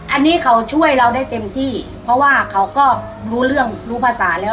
อันนี้เขาช่วยเราได้เต็มที่เพราะว่าเขาก็รู้เรื่องรู้ภาษาแล้ว